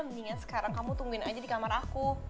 mendingan sekarang kamu tungguin aja di kamar aku